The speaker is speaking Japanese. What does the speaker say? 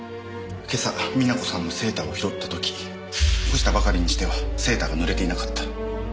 今朝美奈子さんのセーターを拾った時干したばかりにしてはセーターが濡れていなかった。